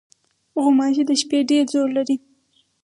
غوماشې د شپې ډېر زور لري.